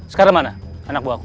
sekarang mana anak buahku